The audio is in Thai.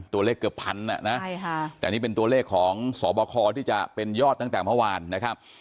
ตัวเลขเกือบพันธุ์น่ะนะใช่ค่ะแต่นี่เป็นตัวเลขของสอบคอที่จะเป็นยอดตั้งแต่เมื่อวานนะครับ